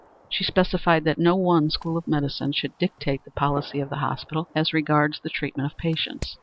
She specified that no one school of medicine should dictate the policy of the hospital as regards the treatment of patients.